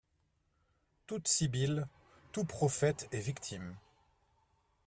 Toute sibylle, tout prophète est victime.